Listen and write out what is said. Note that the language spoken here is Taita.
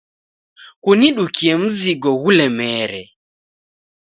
Kunidukie mzigo ghulemere.